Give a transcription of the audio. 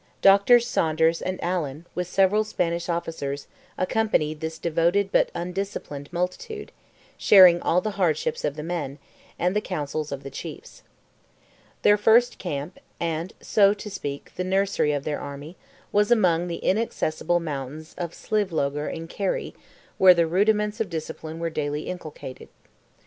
Drs. Saunders and Allen, with several Spanish officers, accompanied this devoted but undisciplined multitude, sharing all the hardships of the men, and the counsels of the chiefs. Their first camp, and, so to speak, the nursery of their army, was among the inaccessible mountains of Slievelogher in Kerry, where the rudiments of discipline were daily inculcated.